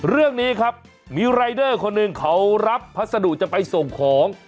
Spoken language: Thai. เรื่องนี้ครับมีรายเดอร์คนหนึ่งเขารับพัสดุจะไปส่งของ